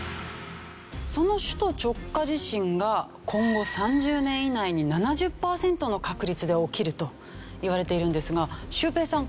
その首都直下地震が今後３０年以内に７０パーセントの確率で起きるといわれているんですがシュウペイさん